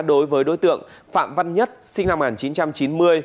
đối với đối tượng phạm văn nhất sinh năm một nghìn chín trăm chín mươi